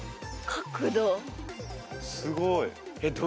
すごい。